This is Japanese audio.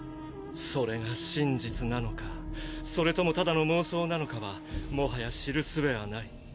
それが真実なのかそれともただの妄想なのかはもはや知るすべはない。